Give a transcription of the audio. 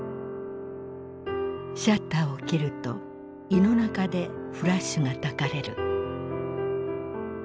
シャッターをきると胃の中でフラッシュがたかれる。